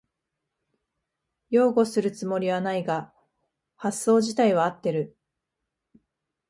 擁護するつもりはないが発想じたいは合ってる